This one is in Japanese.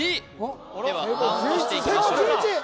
ではカウントしていきましょう聖光１１！？